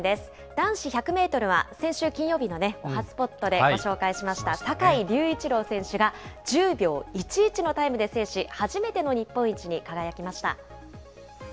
男子１００メートルは先週金曜日のおはＳＰＯＴで紹介しました坂井隆一郎選手が１０秒１１のタイムで制し、初めての日本一に輝きました。